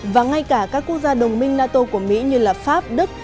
và ngay cả các quốc gia đồng minh nato của mỹ như pháp đức